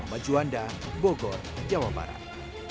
majuanda bogor jawa barat